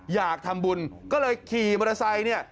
อยากทำบุญก็เลยขี่มอเตอร์ไซค์เนี่ย